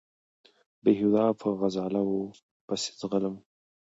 بېهوده په غزاله وو پسې ځغلم